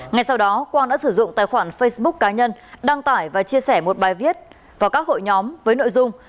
ngay sau đó quang đã sử dụng tài khoản facebook cá nhân đăng tải và chia sẻ một bài viết vào các hội nhóm với nội dung